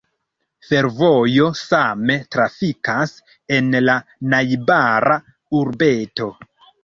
Fervojo same trafikas en la najbara urbeto.